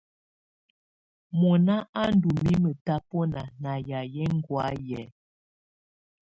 Mɔnà á ndù mimǝ́ tabɔna nà yayɛ̀́á ɛngɔ̀áyɛ̀.